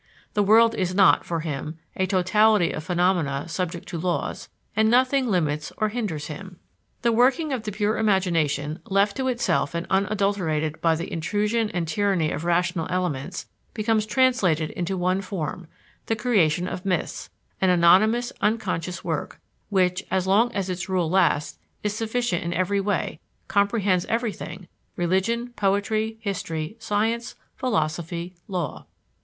The world is not, for him, a totality of phenomena subject to laws, and nothing limits or hinders him. This working of the pure imagination, left to itself and unadulterated by the intrusion and tyranny of rational elements, becomes translated into one form the creation of myths; an anonymous, unconscious work, which, as long as its rule lasts, is sufficient in every way, comprehends everything religion, poetry, history, science, philosophy, law.